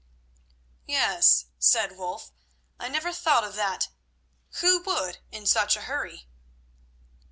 "Yes," said Wulf, "I never thought of that. Who would, in such a hurry?"